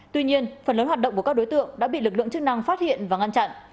tuy nhiên phần lớn hoạt động của các đối tượng đã bị lực lượng chức năng phát hiện và ngăn chặn